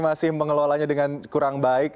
masih mengelolanya dengan kurang baik